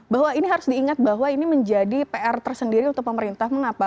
bahwa ini harus diingat bahwa ini menjadi pr tersendiri untuk pemerintah mengapa